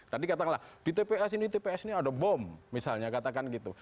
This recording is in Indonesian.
tadi katakanlah di tps ini di tps ini ada bom misalnya katakan gitu